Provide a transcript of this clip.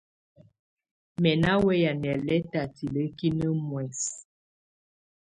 Mɛ̀ nà wɛ̂ya nɛlɛtɛ̀ tilǝ́kinǝ́ muɛsǝ.